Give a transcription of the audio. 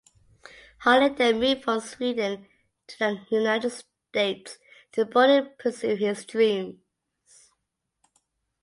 Harley then moved from Sweden to the United States to boldly pursue his dreams.